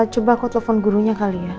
coba kok telepon gurunya kali ya